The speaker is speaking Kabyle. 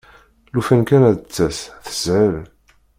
Lufan kan ad d-tas teshel!